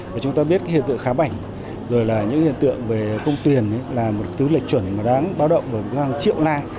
và chúng ta biết hiện tượng khám ảnh rồi là những hiện tượng về công tuyển là một thứ lệch chuẩn mà đáng báo động và đáng chịu lai